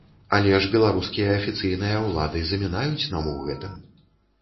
Але ж беларускія афіцыйныя ўлады замінаюць нам у гэтым.